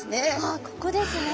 あっここですね。